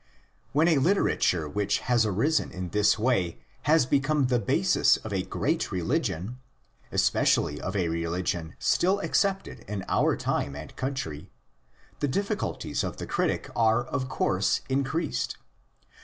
When a literature which has arisen in this way has become the basis of a great religion—especially of a religion still accepted in our time and country—the difficulties of the critic are of course increased.